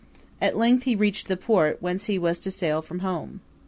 At length he reached the port whence he was to sail for home.